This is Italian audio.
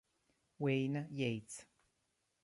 Wayne Yates